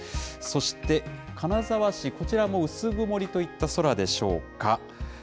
そして、金沢市、こちらも薄曇りといった空でしょうか。